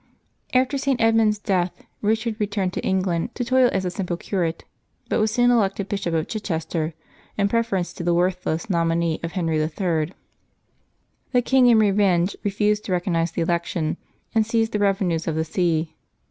After St. Edmund's death Eichard returned to England to toil as a simple curate, but was soon elected Bishop of Chichester in preference to the worthless nominee of Henry III. The king in revenge re fused to recognize the election, and seized the revenues of the see.